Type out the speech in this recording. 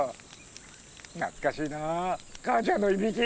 懐かしいなあ母ちゃんのいびき！